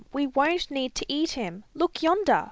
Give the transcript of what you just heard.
we won't need to eat him! Look yonder!